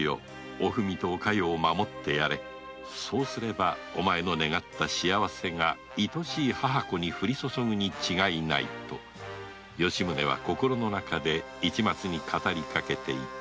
おふみとおかよを守ってやれそうすればお前の願った幸せがいとしい母子に降り注ぐに違いないと吉宗は心の中で市松に語りかけていた